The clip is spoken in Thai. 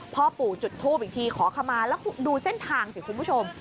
พ่อปู่จุดทูปอีกทีขอขมาแล้วดูเส้นทางสิคุณผู้ชม